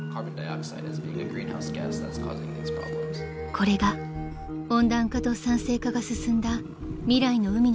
［これが温暖化と酸性化が進んだ未来の海の姿です］